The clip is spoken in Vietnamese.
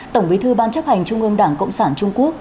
tổng bí thư ban chấp hành trung ương đảng cộng sản trung quốc